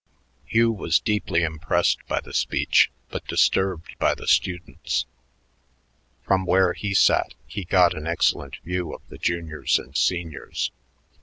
Hugh was deeply impressed by the speech but disturbed by the students. From where he sat he got an excellent view of the juniors and seniors.